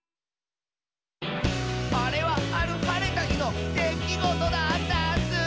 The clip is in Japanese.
「あれはあるはれたひのできごとだったッスー」